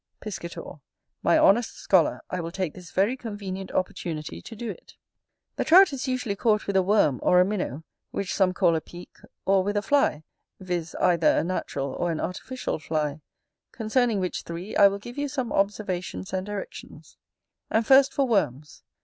Piscator. My honest scholar, I will take this very convenient opportunity to do it. The Trout is usually caught with a worm, or a minnow, which some call a peek, or with a fly, viz. either a natural or an artificial fly: concerning which three, I will give you some observations and directions. And, first, for worms.